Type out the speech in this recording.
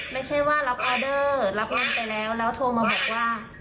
ไม่ใช่ว่ารับออเดอร์รับเงินไปแล้วแล้วโทรมาบอกว่า